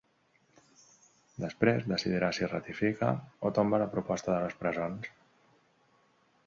Després, decidirà si ratifica o tomba la proposta de les presons.